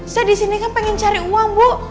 saya disini kan pengen cari uang bu